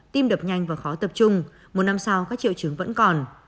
tim đập nhanh và khó tập trung một năm sau các triệu chứng vẫn còn